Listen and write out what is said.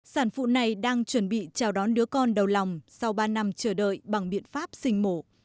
sản phụ này đang chuẩn bị chào đón đứa con đầu lòng sau ba năm chờ đợi bằng biện pháp sinh mổ